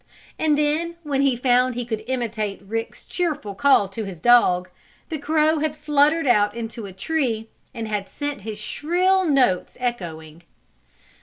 And then, when he found he could imitate Rick's cheerful call to his dog, the crow had fluttered out into a tree, and had sent his shrill notes echoing.